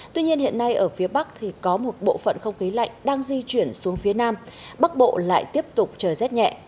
tuy nhiên hiện nay ở phía bắc thì có một bộ phận không khí lạnh đang di chuyển xuống phía nam bắc bộ lại tiếp tục trời rét nhẹ